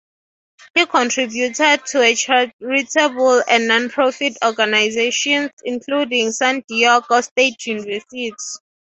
He contributed to charitable and nonprofit organizations, including San Diego State University.